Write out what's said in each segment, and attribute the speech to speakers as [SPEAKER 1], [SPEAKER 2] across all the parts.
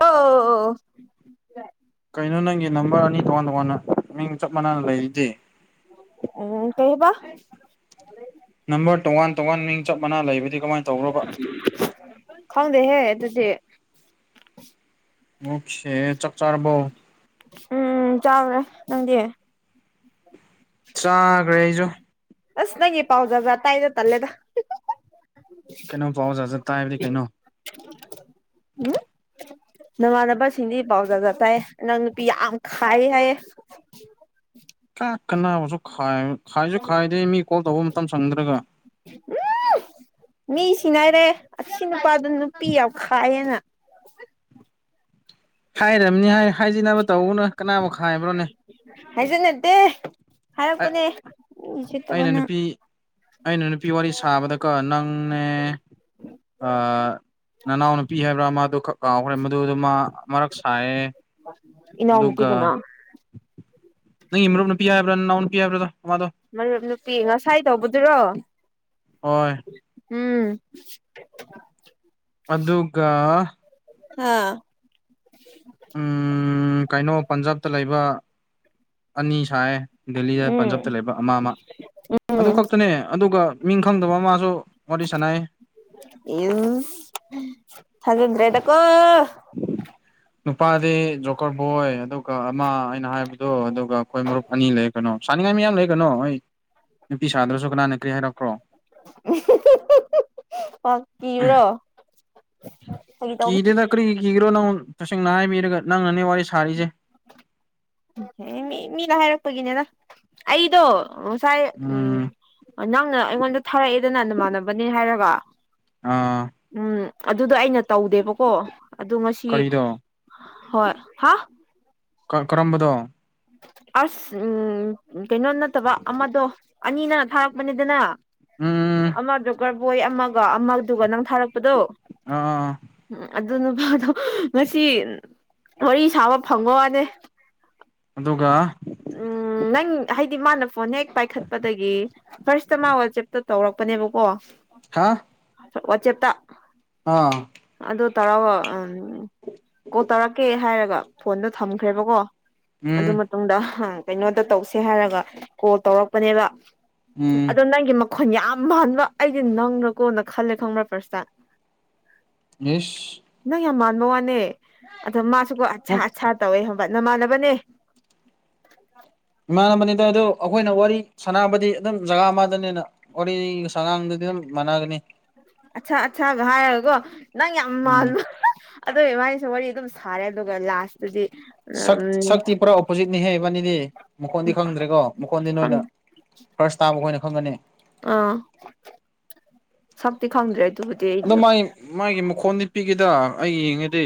[SPEAKER 1] ꯑꯣ
[SPEAKER 2] ꯀꯩꯅꯣ ꯅꯪꯒꯤ ꯅꯝꯕꯔ ꯑꯅꯤ ꯇꯣꯉꯥꯟ ꯇꯣꯉꯥꯟꯅ ꯃꯤꯡ ꯆꯞ ꯃꯥꯟꯅ ꯂꯩꯔꯤꯗꯤ
[SPEAKER 1] ꯑꯣ ꯀꯩꯕ
[SPEAKER 2] ꯅꯝꯕꯔ ꯇꯣꯉꯥꯟ ꯇꯣꯉꯥꯟ ꯃꯤꯡꯆꯞ ꯃꯅꯥ ꯂꯩꯕꯗꯤ ꯀꯃꯥꯏꯅ ꯇꯧꯕ꯭ꯔꯕ
[SPEAKER 1] ꯈꯪꯗꯦꯍꯦ ꯑꯗꯨꯗꯤ
[SPEAKER 2] ꯑꯣꯀꯦ ꯆꯥꯛ ꯆꯔꯕꯣ
[SPEAKER 1] ꯎꯝ ꯆꯥꯎꯔꯦ ꯅꯪꯗꯤ
[SPEAKER 2] ꯆꯥꯈ꯭ꯔꯦ ꯑꯩꯁꯨ
[SPEAKER 1] ꯑꯁ ꯅꯪꯒꯤ ꯄꯥꯎ ꯖꯠ ꯖꯠ ꯇꯥꯢꯗ ꯇꯜꯂꯦꯗ
[SPEAKER 2] ꯀꯩꯅꯣ ꯄꯥꯎ ꯖꯥꯠ ꯖꯥꯠ ꯇꯥꯢ ꯍꯥꯏꯕꯗꯤ ꯀꯩꯅꯣ
[SPEAKER 1] ꯎꯝ [inaudible] ꯅꯃꯥꯟꯅꯕꯁꯤꯡꯗꯤ ꯄꯥꯎ ꯖꯠ ꯖꯠ ꯇꯥꯏ ꯅꯪ ꯅꯨꯄꯤ ꯌꯥꯝ ꯈꯥꯏ ꯍꯥꯏꯌꯦ
[SPEAKER 2] ꯆ ꯀꯅꯥꯕꯁꯨ ꯈꯥꯏꯁꯨ ꯈꯥꯏꯗꯦ ꯃꯤ ꯀꯣꯜ ꯇꯧꯕ ꯃꯇꯝ ꯁꯪꯗ꯭ꯔꯒ
[SPEAKER 1] ꯃꯤ ꯁꯤꯅꯥꯔꯦ ꯑꯁꯤ ꯅꯨꯄꯥꯗꯨ ꯅꯨꯄꯤ ꯌꯥꯝ ꯈꯥꯏꯌꯦꯅ
[SPEAKER 2] ꯍꯥꯏꯔꯝꯅꯤ ꯍꯥꯏ ꯍꯥꯏꯖꯤꯟꯅꯕ ꯇꯧꯒꯅꯣ ꯀꯅꯥꯕꯨ ꯈꯥꯏꯕ꯭ꯔꯣꯅꯦ
[SPEAKER 1] ꯍꯥꯏꯖꯤꯟꯅꯇꯦ ꯍꯥꯏꯔꯛꯄꯅꯦ ꯃꯤ ꯎꯁꯤꯠꯇꯕ
[SPEAKER 2] ꯑꯩꯅ
[SPEAKER 1] ꯅꯪ
[SPEAKER 2] ꯅꯨꯄꯤ ꯑꯩꯅ ꯅꯨꯄꯤ ꯋꯥꯔꯤ ꯁꯥꯕꯗꯀꯣ ꯅꯪꯅꯦ ꯑꯥ ꯅꯅꯥꯎ ꯅꯨꯄꯤ ꯍꯥꯏꯕ꯭ꯔꯥ ꯑꯃꯥꯗꯨ ꯈꯛ ꯀꯥꯎꯈ꯭ꯔꯦ ꯑꯗꯨꯗꯨ ꯃ ꯃꯔꯛ ꯁꯥꯏꯌꯦ
[SPEAKER 1] ꯏꯅꯥꯎꯅꯨꯄꯤ
[SPEAKER 2] ꯑꯗꯨꯒ
[SPEAKER 1] ꯀꯅꯥ
[SPEAKER 2] ꯅꯪꯒꯤ ꯃꯔꯨꯞ ꯅꯨꯄꯤ ꯍꯥꯏꯕ꯭ꯔꯥ ꯅꯅꯥꯎ ꯅꯨꯄꯤ ꯍꯥꯏꯕ꯭ꯔꯗꯣ ꯑꯃꯥꯗꯣ
[SPEAKER 1] ꯃꯔꯨꯞ ꯅꯨꯄꯤ ꯉꯁꯥꯏ ꯇꯧꯕꯗꯨꯔꯣ
[SPEAKER 2] ꯍꯣꯢ
[SPEAKER 1] ꯎꯝ
[SPEAKER 2] ꯑꯗꯨꯒ
[SPEAKER 1] ꯍꯥ
[SPEAKER 2] ꯎ ꯀꯩꯅꯣ ꯄꯟꯖꯥꯕꯇ ꯂꯩꯕ ꯑꯅꯤ ꯁꯥꯏ ꯗꯦꯜꯂꯤꯗ
[SPEAKER 1] ꯎꯝ
[SPEAKER 2] ꯄꯟꯖꯥꯕꯇ ꯂꯩꯕ ꯑꯃ ꯑꯃ ꯑꯗꯨ
[SPEAKER 1] ꯎꯝ
[SPEAKER 2] ꯈꯛꯇꯅꯦ ꯑꯗꯨꯒ ꯃꯤꯡ ꯈꯪꯗꯕ ꯑꯃꯥꯁꯨ ꯋꯥꯔꯤ ꯁꯥꯟꯅꯩ
[SPEAKER 1] ꯢꯁ ꯊꯖꯗ꯭ꯔꯦꯗ ꯀꯣ
[SPEAKER 2] ꯅꯨꯄꯥꯗꯤ ꯖꯣꯀꯔ ꯕꯣꯏ ꯑꯗꯨꯒ ꯑꯃ ꯑꯩꯅ ꯍꯥꯏꯕꯗꯣ ꯑꯗꯨꯒ ꯑꯩꯈꯣꯏ ꯃꯔꯨꯞ ꯑꯅꯤ ꯂꯩ ꯀꯩꯅꯣ ꯁꯥꯅꯤꯡꯉꯥꯏ ꯃꯌꯥꯝ ꯂꯩ ꯀꯩꯅꯣ ꯍꯣꯏ ꯅꯨꯄꯤ ꯁꯥꯗ꯭ꯔꯁꯨ ꯀꯅꯥꯅ ꯀꯔꯤ ꯍꯥꯏꯔꯛꯄ꯭ꯔꯣ
[SPEAKER 1] ꯄ ꯀꯤꯕ꯭ꯔꯣ ꯇ [inaudible]
[SPEAKER 2] ꯀꯤꯗꯦꯗ ꯀꯔꯤ ꯀꯤꯒꯦꯔꯣ ꯅꯪ ꯇꯁꯦꯡꯅ ꯍꯥꯏꯕꯤꯔꯒ ꯅꯪꯅꯅꯦ ꯋꯥꯔꯤ ꯁꯥꯔꯤꯁꯦ
[SPEAKER 1] ꯎꯍꯦ ꯃꯤ ꯃꯤꯅ ꯍꯥꯏꯔꯛꯄꯅꯤꯗ ꯑꯩꯗꯣ ꯉꯁꯥꯏ ꯎꯝ ꯅꯪꯅ ꯑꯩꯉꯣꯟꯗ ꯊꯥꯔꯛꯑꯦꯗꯅ ꯅꯃꯥꯟꯅꯕꯅꯦ ꯍꯥꯏꯔꯒ
[SPEAKER 2] ꯑꯥ
[SPEAKER 1] ꯎꯝ ꯑꯗꯨꯗꯣ ꯑꯩꯅ ꯇꯧꯗꯦꯕꯀꯣ ꯑꯗꯨ ꯉꯁꯤ
[SPEAKER 2] ꯀꯔꯤꯗꯣ
[SPEAKER 1] ꯍꯣꯏ ꯍꯥ
[SPEAKER 2] ꯀꯔꯝꯕꯅꯣ
[SPEAKER 1] ꯑꯁ ꯎꯝ ꯀꯩꯅꯣ ꯅꯠꯇꯕ ꯑꯃꯗꯣ ꯑꯅꯤꯅ ꯊꯥꯔꯛꯄꯅꯤꯗꯅ
[SPEAKER 2] ꯎꯝ
[SPEAKER 1] ꯑꯃꯗꯨ ꯖꯣꯀꯔꯕꯣꯏ ꯑꯃꯒ ꯑꯃꯗꯨꯒ ꯅꯪ ꯊꯥꯔꯛꯄꯗꯣ
[SPEAKER 2] ꯑꯥ
[SPEAKER 1] ꯎꯝ ꯑꯗꯨ ꯅꯨꯄꯥꯗꯣ ꯉꯁꯤ ꯋꯥꯔꯤ ꯁꯥꯕ ꯐꯪꯕꯩ ꯋꯥꯅꯦ
[SPEAKER 2] ꯑꯗꯨꯒ
[SPEAKER 1] ꯎꯝ ꯅꯪ ꯍꯥꯏꯗꯤ ꯃꯥꯅ ꯐꯣꯟ ꯍꯦꯛ ꯄꯥꯏꯈꯠꯄꯗꯒꯤ ꯐꯥꯔꯁꯇ ꯃꯥ ꯋꯥꯆꯦꯞꯇ ꯇꯧꯔꯛꯄꯅꯦꯕꯀꯣ
[SPEAKER 2] ꯍꯥ
[SPEAKER 1] ꯋꯥ ꯆꯦꯞꯇ
[SPEAKER 2] ꯑꯥ
[SPEAKER 1] ꯑꯗꯨ ꯇꯔ ꯀꯣꯜ ꯇꯥꯔꯛꯀꯦ ꯍꯥꯏꯔꯒ ꯐꯣꯟꯗꯣ ꯊꯝꯈ꯭ꯔꯦꯕꯀꯣ
[SPEAKER 2] ꯎꯝ
[SPEAKER 1] ꯑꯗꯨ ꯃꯇꯨꯡꯗ ꯀꯩꯅꯣꯗ ꯇꯧꯁꯦ ꯍꯥꯏꯔꯒ ꯀꯣꯜ ꯇꯧꯔꯛꯄꯅꯦꯕ
[SPEAKER 2] ꯎꯝ
[SPEAKER 1] ꯑꯗꯣ ꯅꯪꯒꯤ ꯃꯈꯣꯟ ꯌꯥꯝ ꯃꯥꯟꯕ ꯑꯩꯗꯤ ꯅꯪꯔ ꯀꯣꯅ ꯈꯜꯂꯦ ꯈꯪꯕ꯭ꯔ ꯄ꯭ꯔꯁꯇ
[SPEAKER 2] ꯏꯁ
[SPEAKER 1] ꯅꯪ ꯌꯥꯝ ꯃꯥꯟꯕ ꯋꯥꯅꯦ ꯑꯗꯣ ꯃꯥꯁꯨꯀꯣ ꯑꯠꯁꯥ ꯑꯠꯁꯥ ꯇꯧꯋꯦ ꯍꯕꯠ ꯅꯃꯥꯟꯅꯕꯅꯦ [inaudible]
[SPEAKER 2] ꯏꯃꯥꯟꯅꯕꯅꯤꯗ ꯑꯣ ꯑꯩꯈꯣꯏꯅ ꯋꯥꯔꯤ ꯁꯥꯟꯅꯕꯗꯤ ꯑꯗꯨꯝ ꯖꯒꯥ ꯑꯃꯗꯅꯤꯅ ꯋꯥꯔꯤ ꯁꯉꯥꯡꯗꯨꯗꯤ ꯑꯗꯨꯝ ꯃꯥꯟꯅꯒꯅꯤ
[SPEAKER 1] ꯑꯠꯆꯥꯥ ꯑꯠꯆꯥꯥ ꯍꯥꯏꯚꯥꯏꯀꯣ ꯅꯪ ꯌꯥꯝ
[SPEAKER 2] ꯎꯝ
[SPEAKER 1] ꯃꯥꯜꯂꯣ ꯑꯗꯨꯕꯥꯅꯤꯁꯨ ꯋꯥꯔꯤ ꯑꯗꯨꯝ ꯁꯥꯔꯦ ꯑꯗꯨꯒ ꯂꯥꯁꯇꯗꯤ
[SPEAKER 2] ꯁꯛ
[SPEAKER 1] ꯎꯝ
[SPEAKER 2] ꯁꯛꯇꯤ ꯄꯨꯔꯥ ꯑꯣꯄꯣꯖꯤꯠꯅꯤꯍꯦꯕꯥꯅꯤꯗꯤ ꯃꯈꯣꯟꯗꯤ ꯈꯪꯗ꯭ꯔꯦꯀꯣ ꯃꯈꯣꯟꯗꯤ
[SPEAKER 1] ꯈꯪ
[SPEAKER 2] ꯅꯣꯏꯅ ꯐꯔꯁ ꯇꯥꯕ ꯑꯩꯈꯣꯏꯅ ꯈꯪꯒꯅꯤ
[SPEAKER 1] ꯑꯥ ꯁꯛꯇꯤ ꯈꯪꯗ꯭ꯔꯦ ꯑꯗꯨꯕꯨꯗꯤ
[SPEAKER 2] ꯑꯗꯣ
[SPEAKER 1] ꯑꯩꯁꯨ
[SPEAKER 2] ꯃꯥꯒꯤ ꯃꯥꯒꯤ ꯃꯈꯣꯟꯗꯤꯄꯤꯒꯦꯗ ꯑꯩ ꯌꯦꯡꯉꯗꯤ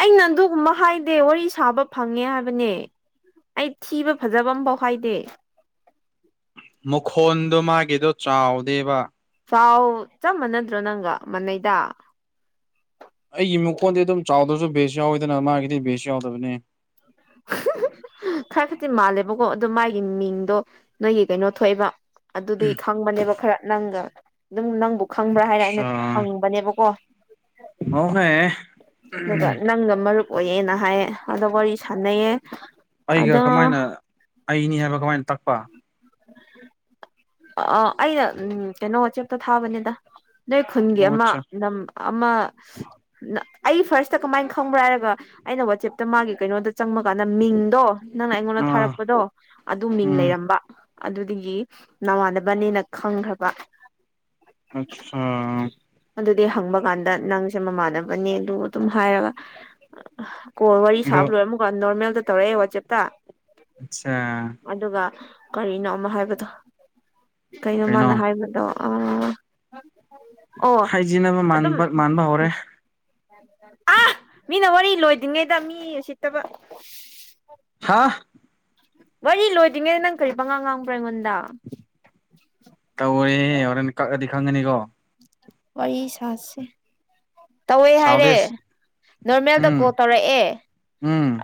[SPEAKER 1] ꯑꯩꯅ ꯑꯗꯨꯒꯨꯝꯕ ꯍꯥꯏꯗꯦ ꯋꯥꯔꯤ ꯁꯥꯕ ꯐꯪꯉꯦ ꯍꯥꯏꯕꯅꯦ ꯑꯩ ꯊꯤꯕ ꯐꯖꯕ ꯑꯃꯐꯥꯎ ꯍꯥꯏꯗꯦ
[SPEAKER 2] ꯃꯈꫭꯟꯗꯣ ꯃꯥꯒꯤꯗꯣ ꯆꯥꯎꯗꯦꯕ
[SPEAKER 1] ꯆꯥꯎ ꯆꯞꯃꯥꯟ ꯑꯗꯨ꯭ꯔꯣ ꯅꯪꯒ ꯃꯅꯩꯗ
[SPEAKER 2] ꯑꯩꯒꯤ ꯃꯀꯣꯟꯗꯤ ꯑꯗꯨꯝ ꯆꯥꯎꯗ꯭ꯔꯁꯨ ꯕꯦꯁ ꯌꯥꯎꯋꯤꯗꯅ ꯃꯥꯒꯤꯗꯤ ꯕꯦꯁ ꯌꯥꯎꯗꯕꯅꯤ
[SPEAKER 1] ꯈꯔ ꯈꯛꯇꯤ ꯃꯥꯜꯂꯦꯕꯀꯣ ꯑꯗꯨ ꯃꯥꯒꯤ ꯃꯤꯡꯗꯣ ꯅꯣꯏꯒꯤ ꯀꯩꯅꯣ ꯊꯣꯛꯑꯦꯕ ꯑꯗꯨꯗꯤ ꯈꯪꯕꯅꯦꯕ ꯈꯔ ꯅꯪꯒ ꯑꯗꯨꯝ ꯅꯪꯕꯨ ꯈꯪꯕ꯭ꯔꯥ ꯍꯥꯏꯅ ꯑꯩꯅ
[SPEAKER 2] ꯑꯆꯥ
[SPEAKER 1] ꯍꯪꯕꯅꯦꯕꯀꯣ
[SPEAKER 2] ꯑꯣꯍꯦ
[SPEAKER 1] ꯑꯗꯨꯒ ꯅꯪꯒ ꯃꯔꯨꯞ ꯑꯣꯏꯌꯦꯅ ꯍꯥꯏꯌꯦ ꯑꯗ ꯋꯥꯔꯤ ꯁꯥꯟꯅꯩꯌꯦ
[SPEAKER 2] ꯑꯩꯒ
[SPEAKER 1] ꯑꯗꯣ
[SPEAKER 2] ꯀꯃꯥꯏꯅ ꯑꯩꯅꯤ ꯍꯥꯏꯕ ꯀꯃꯥꯏꯅ ꯇꯛꯄ
[SPEAKER 1] ꯑ ꯑꯩꯅ ꯎ ꯀꯩꯅꯣ ꯋꯥꯆꯦꯞꯇ ꯊꯥꯕꯅꯤꯗ ꯅꯣꯏ ꯈꯨꯟꯒꯤ
[SPEAKER 2] ꯑꯣ
[SPEAKER 1] ꯑꯃ
[SPEAKER 2] ꯑꯠꯆꯥ
[SPEAKER 1] ꯅꯝ ꯑꯃ ꯑꯩ ꯐꯥꯔꯁꯇ ꯀꯃꯥꯏꯅ ꯈꯪꯕ꯭ꯔꯥ ꯍꯥꯏꯔꯒ ꯑꯩꯅ ꯋꯥꯆꯦꯞꯇ ꯃꯥꯒꯤ ꯀꯩꯅꯣꯗ ꯆꯪꯕꯀꯥꯟꯗ ꯃꯤꯡꯗꯣ ꯅꯪꯅ ꯑꯩꯉꯣꯟꯗ
[SPEAKER 2] ꯑꯥ
[SPEAKER 1] ꯊꯥꯔꯛꯄꯗꯣ ꯑꯗꯨ ꯃꯤꯡ
[SPEAKER 2] ꯎꯝ
[SPEAKER 1] ꯂꯩꯔꯝꯕ ꯑꯗꯨꯗꯒꯤ ꯅꯃꯥꯟꯅꯕꯅꯦꯅ ꯈꯪꯈ꯭ꯔꯕ
[SPEAKER 2] ꯑꯆꯥꯥ
[SPEAKER 1] ꯑꯗꯨꯗꯤ ꯍꯪꯕ ꯀꯥꯟꯗ ꯅꯪꯁꯦ ꯃꯃꯥꯟꯅꯕꯅꯦ ꯑꯗꯨ ꯑꯗꯨꯝ ꯍꯥꯏꯔꯒ ꯀꯣ ꯋꯥꯔꯤ ꯁꯥꯕ
[SPEAKER 2] ꯑꯗꯣ
[SPEAKER 1] ꯂꯣꯏꯔꯦ ꯑꯃꯨꯛꯀ ꯅꯣꯔꯃꯦꯜꯗ ꯇꯧꯔꯛꯑꯦ ꯋꯥꯆꯦꯞꯇ
[SPEAKER 2] ꯑꯆꯥ
[SPEAKER 1] ꯑꯗꯨꯒ ꯀꯔꯤꯅꯣ ꯑꯃ ꯍꯥꯏꯕꯗꯣ ꯀꯩꯅꯣ ꯃꯥꯅ ꯍꯥꯏꯕꯗꯣ ꯑ ꯑꯣ
[SPEAKER 2] ꯍꯥꯏꯖꯤꯟꯅꯕ
[SPEAKER 1] ꯑꯗꯨꯝ
[SPEAKER 2] ꯃꯥꯟꯕ ꯃꯥꯟꯕ ꯍꯧꯔꯦ
[SPEAKER 1] ꯑ ꯃꯤꯅ ꯋꯥꯔꯤ ꯂꯣꯏꯗ꯭ꯔꯤꯉꯩꯗ ꯃꯤ ꯁꯤꯠꯇꯕ
[SPEAKER 2] ꯍꯥꯥ
[SPEAKER 1] ꯋꯥꯔꯤ ꯂꯣꯏꯗ꯭ꯔꯤꯉꯩꯗ ꯅꯪ ꯀꯔꯤ ꯄꯉꯥ ꯉꯥꯡꯕ꯭ꯔꯥ ꯑꯩꯉꯣꯟꯗ
[SPEAKER 2] ꯇꯧꯔꯦ ꯍꯣꯔꯦꯟ ꯀꯛꯑꯗꯤ ꯈꯪꯉꯅꯤꯀꯣ
[SPEAKER 1] ꯋꯥꯔꯤ ꯁꯥꯁꯦ ꯇꯧꯋꯦ ꯍꯥꯏꯔꯦ
[SPEAKER 2] ꯁꯥꯎꯗꯦꯁ
[SPEAKER 1] ꯅꯣꯔꯃꯦꯜꯗ ꯀꯣꯜ
[SPEAKER 2] ꯎꯝ
[SPEAKER 1] ꯇꯧꯔꯛꯑꯦ
[SPEAKER 2] ꯎꯝ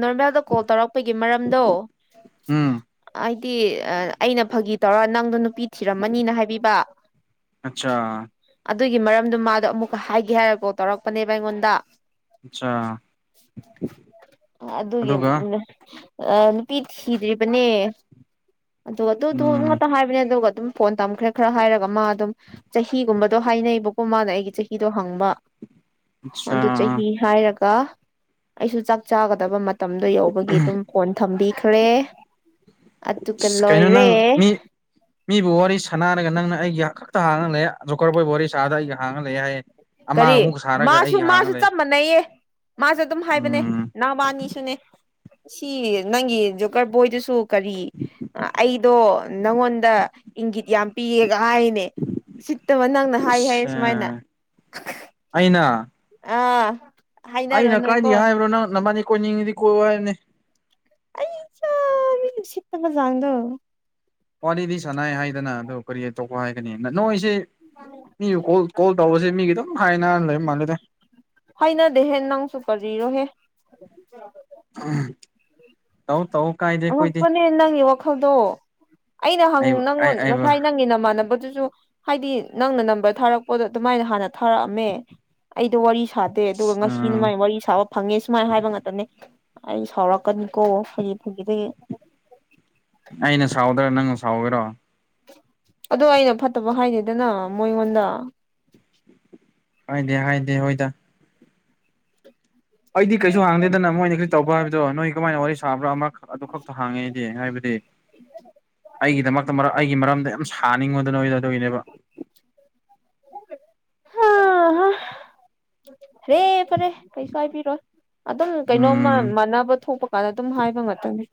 [SPEAKER 1] ꯅꯣꯔꯃꯦꯜꯗ ꯀꯣꯜ ꯇꯧꯔꯛꯄꯒꯤ ꯃꯔꯝꯗꯣ
[SPEAKER 2] ꯎꯝ
[SPEAKER 1] ꯍꯥꯏꯗꯤ ꯑꯩꯅ ꯐꯥꯒꯤ ꯇꯧꯔ ꯅꯪꯗꯣ ꯅꯨꯄꯤ ꯊꯤꯔꯝꯃꯅꯤꯅ ꯍꯥꯏꯕꯤꯕ
[SPEAKER 2] ꯑꯠꯆꯥ
[SPEAKER 1] ꯑꯗꯨꯒꯤ ꯃꯔꯝꯗꯣ ꯃꯥꯗꯣ ꯑꯃꯨꯛꯀ ꯍꯥꯏꯒꯦ ꯍꯥꯏꯔꯀꯣ ꯇꯧꯔꯛꯄꯅꯦꯕ ꯑꯩꯉꯣꯟꯗ
[SPEAKER 2] ꯑꯆꯥ
[SPEAKER 1] ꯑꯗꯨ [unintelligible]
[SPEAKER 2] ꯑꯗꯨꯒ
[SPEAKER 1] ꯅꯨꯄꯤ ꯊꯤꯗ꯭ꯔꯤꯕꯅꯦ ꯑꯗꯨꯒ ꯑꯗꯨꯗ
[SPEAKER 2] ꯎꯝ
[SPEAKER 1] ꯉꯥꯛꯇ ꯍꯥꯏꯕꯅꯦ ꯑꯗꯨꯒ ꯑꯗꯨꯝ ꯐꯣꯟ ꯇꯝꯈ꯭ꯔꯦ ꯈꯔ ꯍꯥꯏꯔꯒ ꯃꯥ ꯑꯗꯨꯝ ꯆꯍꯤꯒꯨꯝꯕꯗꯣ ꯍꯥꯏꯅꯩꯕꯀꯣ ꯃꯥꯅ ꯑꯩꯒꯤ ꯆꯍꯤꯗꯣ ꯍꯪꯕ
[SPEAKER 2] ꯑꯠꯁꯥ
[SPEAKER 1] ꯑꯗꯨ ꯆꯍꯤ ꯍꯥꯏꯔꯒ ꯑꯩꯁꯨ ꯆꯥꯛ ꯆꯥꯒꯗꯕ ꯃꯇꯝꯗꯣ ꯌꯧꯕꯒꯤ ꯑꯗꯨꯝ ꯐꯣꯟ ꯊꯝꯕꯤꯈ꯭ꯔꯦ ꯑꯗꯨꯒ
[SPEAKER 2] ꯑꯁ ꯀꯩꯅꯣ
[SPEAKER 1] ꯂꯣꯏꯔꯦ
[SPEAKER 2] ꯅꯪ [inaudible] ꯃꯤꯕꯨ ꯋꯥꯔꯤ ꯁꯥꯥꯟꯅꯔꯒ ꯅꯪꯅ ꯑꯩꯒꯤ ꯈꯛꯇ ꯍꯥꯡꯍꯜꯂꯦ ꯖꯣꯀꯔꯄꯣꯏꯕꯨ ꯋꯥꯔꯤ ꯁꯥꯗꯒ ꯑꯩꯒ ꯍꯥꯡꯍꯜꯂꯛ ꯍꯥꯏꯌꯦ ꯑꯃꯒ
[SPEAKER 1] ꯀꯔꯤ
[SPEAKER 2] ꯑꯃꯨꯛ ꯁꯥꯔꯒ
[SPEAKER 1] ꯃꯥꯁꯨ
[SPEAKER 2] ꯑꯩꯒ ꯍꯥꯡꯉ
[SPEAKER 1] ꯃꯥꯁꯨ
[SPEAKER 2] ꯂꯩ
[SPEAKER 1] ꯆꯞ ꯃꯥꯟꯅꯩꯌꯦ ꯃꯥꯁꯨ ꯑꯗꯨꯝ ꯆꯞ ꯍꯥꯏꯕꯅꯦ
[SPEAKER 2] ꯎꯝ
[SPEAKER 1] ꯅꯕꯥꯅꯤꯁꯨꯅꯦ ꯁꯤ ꯅꯪꯒꯤ ꯖꯣꯀꯔ ꯕꯣꯏꯗꯨꯁꯨ ꯀꯔꯤ ꯑꯩꯗꯣ ꯅꯪꯉꯣꯟꯗ ꯏꯪꯒꯤꯠ ꯌꯥꯝ ꯄꯤꯌꯦꯒ ꯍꯥꯏꯅꯦ ꯎꯁꯤꯠꯇꯕ ꯅꯪꯅ ꯍꯥꯏ ꯍꯥꯏꯌꯦ ꯁꯨꯃꯥꯏꯅ
[SPEAKER 2] ꯑꯁꯥ ꯑꯩꯅ
[SPEAKER 1] ꯑꯥ ꯍꯥꯏꯅꯔꯣ
[SPEAKER 2] ꯑꯩꯅ
[SPEAKER 1] ꯅꯣꯏꯀꯣ
[SPEAKER 2] ꯀꯥꯏꯗꯒꯤ ꯍꯥꯏꯕ꯭ꯔꯣ ꯅꯪ ꯅꯕꯥꯅꯤ ꯀꯣꯏꯅꯤꯡꯉꯗꯤ ꯀꯣꯏꯌꯣ ꯍꯥꯏꯕꯅꯦ
[SPEAKER 1] ꯑꯩꯆꯥ ꯃꯤ ꯎꯁꯤꯠꯇꯕ ꯖꯥꯡꯗꯣ
[SPEAKER 2] ꯋꯥꯔꯤꯗꯤ ꯁꯥꯟꯅꯥꯏ ꯍꯥꯏꯗꯅ ꯑꯗꯨ ꯀꯔꯤ ꯇꯣꯛꯄ ꯍꯥꯏꯒꯅꯤ ꯅꯣꯏꯁꯤ ꯃꯤ ꯀꯣꯜ ꯀꯣꯜ ꯇꯧꯕꯁꯦ ꯃꯤꯒꯤ ꯑꯗꯨꯝ ꯍꯥꯏꯅ ꯂꯩ ꯃꯥꯜꯂꯦꯗ
[SPEAKER 1] ꯍꯩꯅꯗꯦꯍꯦ ꯅꯪꯁꯨ ꯀꯔꯤꯔꯣꯍꯦ
[SPEAKER 2] [unintelligible] ꯇꯧ ꯇꯧ ꯀꯥꯏꯗꯦ ꯑꯩꯈꯣꯏꯗꯤ
[SPEAKER 1] ꯑꯉꯛꯄꯅꯤ ꯅꯪꯒꯤ ꯋꯥ ꯈꯜꯗꯣ ꯑꯩꯅ
[SPEAKER 2] ꯑꯩꯕꯨ
[SPEAKER 1] ꯍꯪ
[SPEAKER 2] ꯑꯩ
[SPEAKER 1] ꯅꯪꯉꯣꯟ
[SPEAKER 2] ꯑꯩꯕꯨ
[SPEAKER 1] ꯉꯁꯥꯏ ꯅꯪꯒꯤ ꯅꯃꯥꯟꯅꯕꯗꯨꯁꯨ ꯍꯥꯏꯗꯤ ꯅꯪꯅ ꯅꯝꯕꯔ ꯊꯥꯔꯛꯄꯗꯣ ꯑꯗꯨꯃꯥꯏꯅ ꯍꯥꯟꯅ ꯊꯥꯔꯛꯑꯝꯃꯦ ꯑꯩꯗꯣ ꯋꯥꯔꯤ ꯁꯥꯗꯦ ꯑꯗꯨꯒ ꯉꯁꯤꯅꯦ
[SPEAKER 2] ꯎꯝ
[SPEAKER 1] ꯃꯥꯏ ꯋꯥꯔꯤ ꯁꯥꯕ ꯐꯪꯉꯦ ꯁꯨꯃꯥꯏꯅ ꯍꯥꯏꯕ ꯉꯥꯛꯅꯦ ꯑꯩ ꯁꯥꯎꯔꯛꯀꯅꯤꯀꯣ ꯐꯒꯤ ꯐꯒꯤꯗꯒꯤ
[SPEAKER 2] ꯑꯩꯅ ꯁꯥꯎꯗ꯭ꯔꯥ ꯅꯪꯅ ꯁꯥꯎꯒꯔꯣ
[SPEAKER 1] ꯑꯗꯣ ꯑꯩꯅ ꯐꯠꯇꯕ ꯍꯥꯏꯗꯦꯗꯅ ꯃꯣꯏꯉꯣꯟꯗ
[SPEAKER 2] ꯍꯥꯏꯗꯦ ꯍꯥꯏꯗꯦ ꯍꯣꯏꯗ ꯑꯩꯗꯤ ꯀꯩꯁꯨ ꯍꯪꯗꯦꯗꯅ ꯃꯣꯏꯅ ꯀꯔꯤ ꯇꯧꯕ ꯍꯥꯏꯕꯗꯣ ꯅꯣꯏ ꯀꯃꯥꯏꯅ ꯋꯥꯔꯤ ꯁꯥꯕ꯭ꯔꯥ ꯑꯃ ꯑꯗꯨ ꯈꯛꯇ ꯍꯥꯡꯉꯦ ꯍꯥꯏꯕꯗꯤ ꯑꯩꯒꯤꯗꯃꯛꯇ ꯑꯩꯒꯤ ꯃꯔꯝꯗ ꯌꯥꯝ ꯁꯥꯅꯤꯡꯉꯣꯗꯨ ꯅꯣꯏꯗꯨ ꯑꯗꯨꯒꯤꯅꯦꯕ
[SPEAKER 1] ꯍ꯭ꯔꯦ ꯐꯔꯦ ꯀꯩꯁꯨ ꯍꯥꯏꯕꯤꯔꯣꯏ ꯑꯗꯨꯝ ꯀꯩꯅꯣꯝꯃ
[SPEAKER 2] ꯎꯝ
[SPEAKER 1] ꯃꯥꯟꯅꯕ ꯊꯣꯛꯄ ꯀꯥꯟꯗ ꯑꯗꯨꯝ ꯍꯥꯏꯕ ꯉꯛꯇꯅꯦ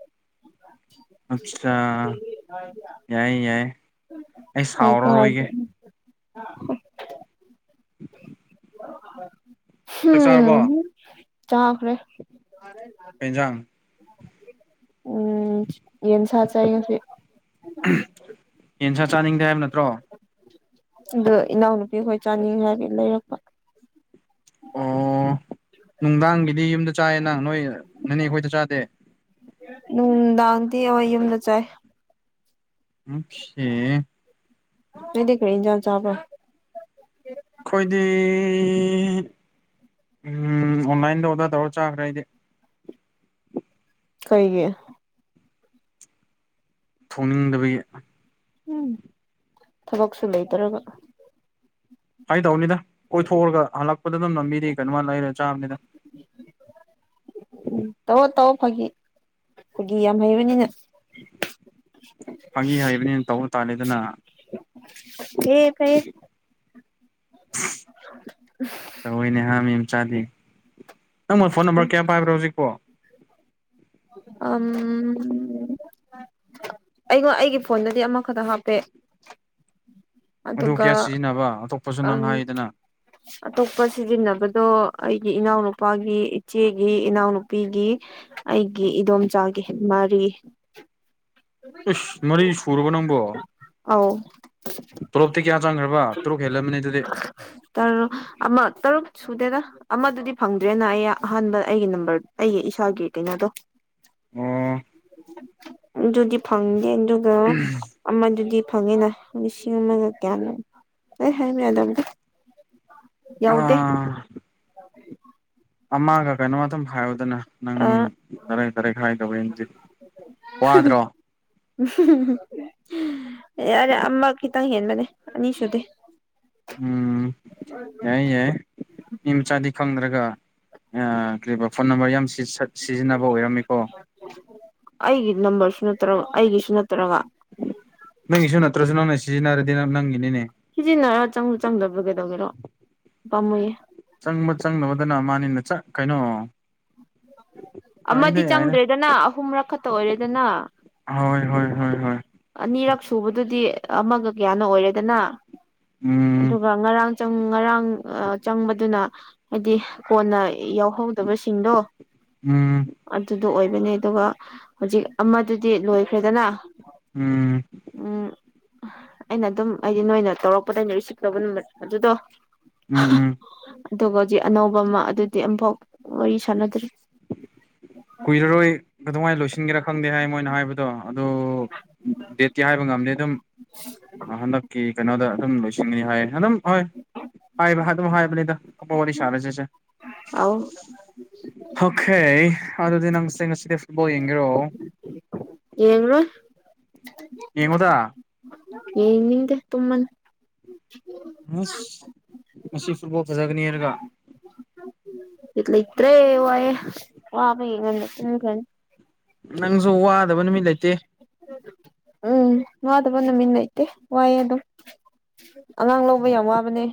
[SPEAKER 2] ꯑꯠꯆꯥ ꯌꯥꯏ ꯌꯥꯏ ꯑꯩ
[SPEAKER 1] ꯀꯩꯁꯨ
[SPEAKER 2] ꯁꯥꯎꯔꯔꯣꯏꯒꯦ
[SPEAKER 1] ꯍꯥꯏꯗꯦ
[SPEAKER 2] ꯆꯥꯛ ꯆꯥꯔꯕꯣ
[SPEAKER 1] [unintelligible] ꯆꯥꯈ꯭ꯔꯦ
[SPEAKER 2] ꯀꯩ ꯌꯦꯟꯖꯥꯡ
[SPEAKER 1] ꯎꯝ ꯌꯦꯟꯁꯥ ꯆꯥꯏ ꯉꯥꯁꯤ
[SPEAKER 2] [unintelligible] ꯌꯦꯟꯁꯥ ꯆꯥꯅꯤꯡꯗꯦ ꯍꯥꯏꯕ ꯅꯠꯇ꯭ꯔꯣ
[SPEAKER 1] ꯑꯗꯣ ꯏꯅꯥꯎꯅꯨꯄꯤ ꯈꯣꯏ ꯆꯥꯅꯤꯡꯉꯤ ꯍꯥꯏꯕꯩ ꯂꯩꯔꯛꯄ
[SPEAKER 2] ꯑꯣ ꯅꯨꯡꯗꯥꯡꯒꯤꯗꯤ ꯌꯨꯝꯗ ꯆꯥꯏꯌꯦ ꯅꯪ ꯅꯣꯏ ꯅꯅꯦ ꯑꯩꯈꯣꯏꯗ ꯆꯥꯗꯦ
[SPEAKER 1] ꯅꯨꯡꯗꯥꯡꯗꯤ ꯍꯣꯏ ꯌꯨꯝꯗ ꯆꯥꯏ
[SPEAKER 2] ꯎꯝꯈꯦ
[SPEAKER 1] ꯅꯣꯏꯗꯤ ꯀꯔꯤ ꯏꯟꯖꯥꯡ ꯆꯥꯕ꯭ꯔ
[SPEAKER 2] ꯑꯩꯈꯣꯏꯗꯤ ꯑꯣꯟꯂꯥꯏꯟꯗ ꯑꯣꯗꯔ ꯇꯧꯔ ꯆꯥꯈ꯭ꯔ ꯑꯩꯗꯤ
[SPEAKER 1] ꯀꯩꯒꯤ
[SPEAKER 2] ꯊꯣꯡꯅꯤꯡꯗꯕꯒꯤ
[SPEAKER 1] ꯎꯝ ꯊꯕꯛꯁꯨ ꯂꯩꯇ꯭ꯔꯒ
[SPEAKER 2] ꯐꯥꯒꯤ ꯇꯧꯅꯤꯗ ꯀꯣꯏꯊꯣꯛꯎꯔꯒ ꯍꯜꯂꯛꯄꯗ ꯑꯗꯨꯝ ꯂꯜꯕꯤꯗꯩ ꯀꯩꯅꯣꯃ ꯂꯩꯔ ꯆꯥꯕꯅꯤꯗ
[SPEAKER 1] ꯎꯝ ꯇꯧꯑꯣ ꯇꯧꯑꯣ ꯐꯥꯒꯤ ꯐꯒꯤ ꯌꯥꯝ ꯍꯩꯕꯅꯤꯅ
[SPEAKER 2] ꯐꯥꯒꯤ ꯍꯩꯕꯅꯤꯅ ꯇꯧꯕ ꯇꯥꯔꯦꯗꯅ
[SPEAKER 1] ꯐꯩꯌꯦ ꯐꯩꯌꯦ
[SPEAKER 2] ꯇꯧꯋꯦꯅꯦꯍꯥꯥ ꯃꯤ ꯃꯆꯥꯗꯤ ꯅꯪꯕꯣ ꯐꯣꯟ ꯅꯝꯕꯔ ꯀꯌꯥ ꯄꯥꯏꯕ꯭ꯔꯣ ꯍꯧꯖꯤꯛꯄꯣ
[SPEAKER 1] ꯑꯝ ꯑꯩꯉꯣ ꯑꯩꯒꯤ ꯐꯣꯟꯗꯗꯤ ꯑꯃꯈꯛꯇ ꯍꯥꯞꯄꯦ
[SPEAKER 2] ꯑꯗꯨ
[SPEAKER 1] ꯑꯗꯨꯒ
[SPEAKER 2] ꯀꯌꯥ ꯁꯤꯖꯤꯟꯅꯕ ꯑꯇꯣꯞꯄꯁꯨ
[SPEAKER 1] ꯑꯝ
[SPEAKER 2] ꯅꯪ ꯍꯥꯏꯗꯅ
[SPEAKER 1] ꯑꯇꯣꯞꯄ ꯁꯤꯖꯤꯟꯅꯕꯗꯣ ꯑꯩꯒꯤ ꯏꯅꯥꯎꯅꯨꯄꯥꯒꯤ ꯏꯆꯦꯒꯤ ꯏꯅꯥꯎꯅꯨꯄꯤꯒꯤ ꯑꯩꯒꯤ ꯏꯗꯣꯝꯆꯥꯒꯤ ꯃꯔꯤ
[SPEAKER 2] ꯏꯁ ꯃꯔꯤ ꯁꯨꯔꯕ ꯅꯪꯕꯣ
[SPEAKER 1] ꯑꯧ
[SPEAKER 2] ꯇꯣꯂꯣꯞꯇꯤ ꯀꯌꯥ ꯆꯪꯈ꯭ꯔꯕ ꯇꯔꯨꯛ ꯍꯦꯜꯂꯝꯅꯤ ꯑꯗꯨꯗꯤ
[SPEAKER 1] ꯇꯔꯨꯛ ꯑꯃ ꯇꯔꯨꯛ ꯁꯨꯗꯦꯗ ꯑꯃꯗꯨꯗꯤ ꯐꯪꯗ꯭ꯔꯦꯅ ꯑꯩ ꯑꯍꯥꯟꯕ ꯑꯩꯒꯤ ꯅꯝꯕꯔ ꯑꯩꯒꯤ ꯏꯁꯥꯒꯤ ꯀꯩꯅꯣꯗꯣ
[SPEAKER 2] ꯑꯣ
[SPEAKER 1] ꯑꯗꯨꯗꯤ ꯐꯪꯗꯦ ꯑꯗꯨꯒ ꯑꯃꯗꯨꯗꯤ ꯐꯪꯉꯤꯅꯦ ꯂꯤꯁꯤꯡ ꯑꯃꯒ ꯀꯌꯥꯅꯣ [unintelligible] ꯌꯥꯎꯗꯦ
[SPEAKER 2] ꯑꯥ ꯑꯃꯥꯒ ꯀꯩꯅꯣ ꯑꯗꯨꯝ ꯍꯥꯏꯌꯨꯗꯅ ꯅꯪ
[SPEAKER 1] ꯑ
[SPEAKER 2] ꯀꯗꯥꯏ ꯀꯗꯥꯏ ꯍꯥꯏꯗꯣꯏꯅꯣ ꯋꯥꯗ꯭ꯔꯣ
[SPEAKER 1] ꯎꯝ ꯌꯥꯔꯦ ꯑꯃ ꯈꯤꯇꯪ ꯍꯦꯟꯕꯅꯦ ꯑꯅꯤ ꯁꯨꯗꯦ
[SPEAKER 2] ꯎꯝ ꯌꯥꯏꯌꯦ ꯌꯥꯏꯌꯦ ꯃꯤ ꯃꯆꯥꯗꯤ ꯈꯪꯗ꯭ꯔꯒ ꯑꯥ ꯀꯔꯤꯕ ꯐꯣꯟ ꯅꯝꯕꯔ ꯌꯥꯝ ꯁꯤ ꯁꯠ ꯁꯤꯖꯤꯟꯅꯕ ꯑꯣꯏꯔꯝꯅꯤꯀꯣ
[SPEAKER 1] ꯑꯩꯒꯤ ꯅꯝꯕꯔꯁꯨ ꯅꯠꯇ꯭ꯔꯒ ꯑꯩꯒꯤꯁꯨ ꯅꯠꯇ꯭ꯔꯒ
[SPEAKER 2] ꯅꯪꯒꯤꯁꯨ ꯅꯠꯇ꯭ꯔꯁꯨ ꯅꯪꯅ ꯁꯤꯖꯤꯟꯅꯔꯗꯤ ꯅꯪꯒꯤꯅꯤꯅꯦ
[SPEAKER 1] ꯁꯤꯖꯤꯟꯅꯔ ꯆꯪꯖꯨ ꯆꯪꯗꯕꯗꯣ ꯀꯩꯗꯧꯒꯦꯔꯣ ꯄꯥꯝꯃꯨꯌꯦ
[SPEAKER 2] ꯆꯪꯕ ꯆꯪꯗꯕꯗꯨꯅ ꯑꯃꯅꯤꯅ ꯆꯥ ꯀꯩꯅꯣ ꯌꯥꯏꯗ
[SPEAKER 1] ꯑꯃꯗꯤ
[SPEAKER 2] ꯌꯥꯏꯗ
[SPEAKER 1] ꯆꯪꯗ꯭ꯔꯦꯗꯅ ꯑꯍꯨꯝꯔꯛ ꯈꯛꯇ ꯑꯣꯏꯔꯦꯗꯅ
[SPEAKER 2] ꯍꯣꯏ ꯍꯣꯏ ꯍꯣꯏ ꯍꯣꯏ
[SPEAKER 1] ꯑꯅꯤꯔꯛ ꯁꯨꯕꯗꯨꯗꯤ ꯑꯃꯒ ꯀꯌꯥꯅꯣ ꯑꯣꯏꯔꯦꯗꯅ
[SPEAKER 2] ꯎꯝ
[SPEAKER 1] ꯑꯗꯨꯒ ꯉꯔꯥꯡ ꯆꯪ ꯉꯔꯥꯡ ꯆꯪꯕꯗꯨꯅ ꯍꯥꯏꯗꯤ ꯀꯣꯟꯅ ꯌꯥꯎꯍꯧꯗꯕꯁꯤꯡꯗꯣ
[SPEAKER 2] ꯎꯝ
[SPEAKER 1] ꯑꯗꯨꯗꯣ ꯑꯣꯏꯕꯅꯦ ꯑꯗꯨꯒ ꯍꯧꯖꯤꯛ ꯑꯃꯗꯨꯗꯤ ꯂꯣꯏꯈ꯭ꯔꯦꯗꯅ
[SPEAKER 2] ꯎꯝ
[SPEAKER 1] ꯎꯝ ꯑꯩꯅ ꯑꯗꯨꯝ ꯍꯥꯏꯗꯤ ꯅꯣꯏꯅ ꯇꯧꯔꯛꯄꯗꯩ ꯑꯩꯅ ꯔꯤꯁꯤꯞ ꯇꯧꯔꯛꯄ ꯅꯝꯕꯔꯗꯣ ꯑꯗꯨꯗꯣ
[SPEAKER 2] ꯎꯝ ꯎꯝ
[SPEAKER 1] ꯑꯗꯨꯒ ꯍꯧꯖꯤꯛ ꯑꯅꯧꯕ ꯑꯃ ꯑꯗꯨꯗꯤ ꯑꯝꯐꯥꯎ ꯋꯥꯔꯤ ꯁꯥꯟꯅꯗꯔ꯭ꯤ
[SPEAKER 2] ꯀꯨꯏꯔꯔꯣꯏ ꯀꯩꯗꯧꯉꯩ ꯂꯣꯏꯁꯤꯟꯒꯦꯔ ꯈꯪꯗꯦ ꯍꯥꯏ ꯃꯣꯏꯅ ꯍꯥꯏꯕꯗꯣ ꯑꯗꯨ ꯗꯦꯠꯇꯤ ꯍꯥꯏꯕ ꯉꯝꯗꯦ ꯑꯗꯨꯝ ꯍꯟꯗꯛꯀꯤ ꯀꯩꯅꯣꯗ ꯑꯗꯨꯝ ꯂꯣꯏꯁꯤ ꯅꯤ ꯍꯥꯏ ꯑꯗꯨꯝ ꯍꯥꯏꯕ ꯑꯗꯨꯝ ꯍꯥꯏꯕꯅꯤꯗ ꯑꯇꯣꯞꯄ ꯋꯥꯔꯤ ꯁꯥꯔꯁꯤꯁꯦ
[SPEAKER 1] ꯑꯥꯎ
[SPEAKER 2] ꯑꯣꯈꯦ ꯑꯗꯨꯗꯤ ꯅꯪꯁꯦ ꯉꯥꯁꯤꯗꯤ ꯐꯨꯠꯕꯣꯜ ꯌꯦꯡꯒꯦꯔꯣ
[SPEAKER 1] ꯌꯦꯡꯔꯣꯏ
[SPEAKER 2] ꯌꯦꯡꯉꯨꯗ
[SPEAKER 1] ꯌꯦꯡꯅꯤꯡꯗꯦ ꯇꯨꯝꯃꯅꯤ
[SPEAKER 2] ꯑꯁ ꯃꯁꯤ ꯐꯨꯠꯕꯣꯜ ꯐꯖꯒꯅꯤ ꯍꯥꯏꯔꯒ
[SPEAKER 1] ꯕꯤꯠ ꯂꯩꯇ꯭ꯔꯦ ꯋꯥꯌꯦ ꯋꯥꯕꯒꯤ ꯉꯟꯅ ꯇꯨꯝꯈ꯭ꯔꯅꯤ
[SPEAKER 2] ꯅꯪꯁꯨ ꯋꯥꯗꯕ ꯅꯨꯃꯤꯠ ꯂꯩꯇꯦ
[SPEAKER 1] ꯎꯝ ꯋꯥꯗꯕ ꯅꯨꯃꯤꯠ ꯂꯩꯇꯦ ꯋꯥꯏꯌꯦ ꯑꯗꯨꯝ ꯑꯉꯥꯡ ꯂꯧꯕ ꯌꯥꯝ ꯋꯥꯕꯅꯦ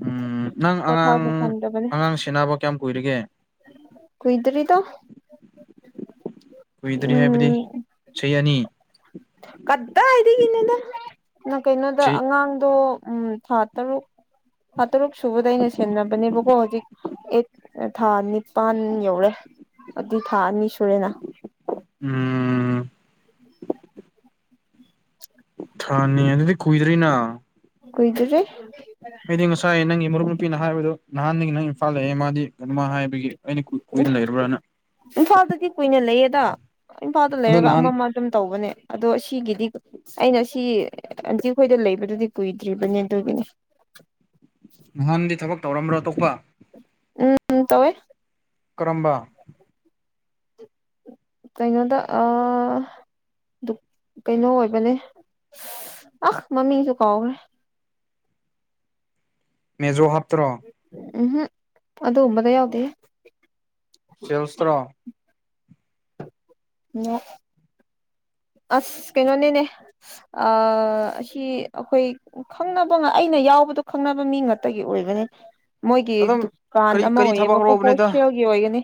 [SPEAKER 2] ꯎꯝ ꯅꯪ ꯑꯉꯥꯡ
[SPEAKER 1] ꯄꯣꯊꯥꯕ ꯐꯪꯗꯕꯅꯦ
[SPEAKER 2] ꯑꯉꯥꯡ ꯁꯦꯟꯅꯕ ꯀꯌꯥꯝ ꯀꯨꯏꯔꯒꯦ
[SPEAKER 1] ꯀꯨꯏꯗ꯭ꯔꯤꯗ
[SPEAKER 2] ꯀꯨꯏꯗ꯭ꯔꯤ ꯍꯥꯏꯕꯗꯤ
[SPEAKER 1] ꯎꯝ
[SPEAKER 2] ꯆꯍꯤ ꯑꯅꯤ
[SPEAKER 1] ꯀꯗꯥꯏꯗꯒꯤꯅꯣꯗꯥ ꯅ ꯀꯩꯅꯣꯗ
[SPEAKER 2] ꯆꯍꯤ
[SPEAKER 1] ꯑꯉꯥꯡꯗꯣ ꯎꯝ ꯊꯥ ꯇꯔꯨꯛ ꯊꯥ ꯇꯔꯨꯛ ꯁꯨꯕꯗꯩ ꯑꯩꯅ ꯁꯦꯟꯅꯕꯅꯦꯕꯀꯣ ꯍꯧꯖꯤꯛ ꯑꯦ ꯊꯥ ꯅꯤꯄꯥꯟ ꯌꯧꯔꯦ ꯑꯗꯨꯏ ꯊꯥ ꯑꯅꯤ ꯁꯨꯔꯦꯅ
[SPEAKER 2] ꯎꯝ
[SPEAKER 1] ꯎꯝ
[SPEAKER 2] ꯊꯅꯤ ꯑꯗꯨꯗꯤ ꯀꯨꯏꯗ꯭ꯔꯤꯅ
[SPEAKER 1] ꯀꯣꯏꯗꯔꯦ
[SPEAKER 2] ꯑꯩꯗꯤ ꯉꯁꯥꯏ ꯅꯪꯒꯤ ꯃꯔꯨꯞ ꯅꯨꯄꯤꯅ ꯍꯥꯏꯕꯗꯨꯣ ꯅꯍꯥꯟꯗꯒꯤ ꯅꯪ ꯏꯝꯐꯥꯜ ꯂꯩꯑꯦ ꯃꯥꯗꯤ ꯀꯃ ꯍꯥꯏꯕꯒꯤ ꯑꯩꯅ ꯀꯨꯏꯅ ꯂꯩꯔꯕ꯭ꯔꯅ
[SPEAKER 1] ꯏꯝꯐꯥꯜꯗꯗꯤ ꯀꯨꯏꯅ ꯂꯩꯌꯦꯗ ꯏꯝꯐꯥꯜꯗ
[SPEAKER 2] ꯑꯗꯣ
[SPEAKER 1] ꯂꯩꯔꯒ
[SPEAKER 2] ꯅꯍꯥꯟ
[SPEAKER 1] ꯑꯃ ꯑꯃ ꯑꯗꯨꯝ ꯇꯧꯕꯅꯦ ꯑꯗꯣ ꯁꯤꯒꯤꯗꯤ ꯑꯩꯅ ꯁꯤ ꯑꯟꯇꯤ ꯑꯩꯈꯣꯏꯗ ꯂꯩꯕꯗꯨꯗꯤ ꯀꯨꯏꯗ꯭ꯔꯤꯕꯅꯦ ꯑꯗꯨꯒꯤꯅꯦ
[SPEAKER 2] ꯅꯍꯥꯟꯗꯤ ꯊꯕꯛ ꯇꯧꯔꯝꯕ꯭ꯔꯣ ꯑꯇꯣꯞꯄ
[SPEAKER 1] ꯎꯝ ꯇꯋ
[SPEAKER 2] ꯀꯔꯝꯕ
[SPEAKER 1] ꯀꯩꯅꯣꯗ ꯀꯩꯅꯣ ꯑꯣꯏꯕꯅꯦ ꯑꯍ ꯃꯝꯃꯤꯁꯨ ꯀꯥꯎꯒꯦ
[SPEAKER 2] ꯃꯦꯖꯣ ꯍꯥꯞꯇ꯭ꯔꯣ
[SPEAKER 1] ꯎꯝꯝ ꯑꯗꯨ ꯎꯝꯕꯗ ꯌꯥꯎꯗ
[SPEAKER 2] ꯁꯦꯜꯁꯇ꯭ꯔꯣ
[SPEAKER 1] ꯑꯣ ꯑꯁ ꯀꯩꯅꯣꯅꯦꯅꯦ ꯑ ꯍ ꯍꯈꯣꯏ ꯎ ꯈꯪꯅꯕ ꯑꯩꯅ ꯌꯥꯎꯕꯗꯣ ꯈꯪꯅꯕ ꯃꯤ ꯉꯥꯛꯇꯒꯤ ꯑꯣꯏꯕꯅꯤ ꯃꯣꯏꯒꯤ
[SPEAKER 2] ꯑꯗꯨꯝ
[SPEAKER 1] ꯗꯨꯀꯥꯟ
[SPEAKER 2] ꯀꯔꯤ
[SPEAKER 1] ꯑꯃ
[SPEAKER 2] ꯀꯔꯤ ꯊꯕꯛ
[SPEAKER 1] ꯑꯣꯏꯌꯦꯕꯀꯣ ꯄꯣꯜ
[SPEAKER 2] ꯔꯣꯕꯅꯤꯗ
[SPEAKER 1] ꯑꯣꯏꯒꯅꯤ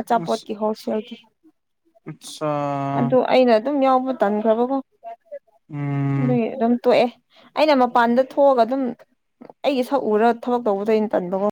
[SPEAKER 1] ꯑꯆꯥꯄꯣꯠꯀꯤ ꯍꯣꯜꯁꯦꯜꯒꯤ
[SPEAKER 2] ꯑꯆꯥ
[SPEAKER 1] ꯑꯗꯨ ꯑꯩꯅ ꯑꯗꯨꯝ ꯌꯥꯎꯕ ꯇꯟꯈ꯭ꯔꯕꯀꯣ
[SPEAKER 2] ꯎꯝ
[SPEAKER 1] ꯑꯗꯨ ꯑꯗꯨꯝ ꯇꯣꯛꯑꯦ ꯑꯩꯅ ꯃꯄꯥꯟꯗ ꯊꯣꯛꯑꯒ ꯑꯗꯨꯝ ꯑꯩꯒꯤ ꯁꯛꯎꯔ ꯊꯕꯛ ꯇꯧꯕꯗ ꯑꯩꯅ ꯇꯟꯕꯒꯨꯝ